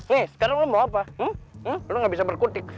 nih sekarang lo mau apa lo gak bisa berkutik